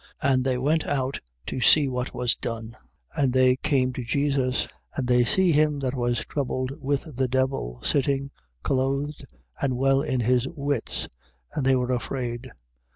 And they went out to see what was done: 5:15. And they came to Jesus, and they see him that was troubled with the devil, sitting, clothed, and well in his wits, and they were afraid.